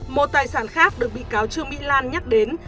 một tài sản khác được bị cáo trương mỹ lan nhắc đến